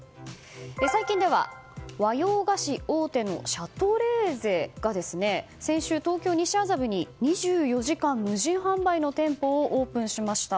最近では和洋菓子大手のシャトレーゼが先週、東京・西麻布に２４時間無人販売の店舗をオープンしました。